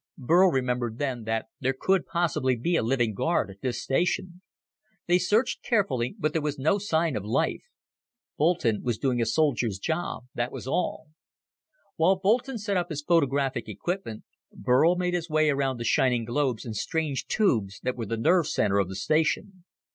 Burl remembered then that there could possibly be a living guard at this station. They searched carefully, but there was no sign of life. Boulton was doing a soldier's job, that was all. While Boulton set up his photographic equipment, Burl made his way around the shining globes and strange tubes that were the nerve center of the station.